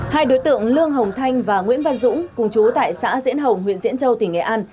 hai đối tượng lương hồng thanh và nguyễn văn dũng cùng chú tại xã diễn hồng huyện diễn châu tỉnh nghệ an